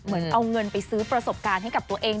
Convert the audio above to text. เหมือนเอาเงินไปซื้อประสบการณ์ให้กับตัวเอง